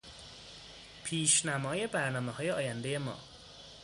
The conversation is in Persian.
پیشنمای برنامههای آیندهی ما